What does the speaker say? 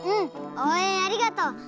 おうえんありがとう！